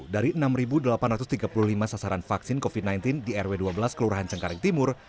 dari enam delapan ratus tiga puluh lima sasaran vaksin covid sembilan belas di rw dua belas kelurahan cengkareng timur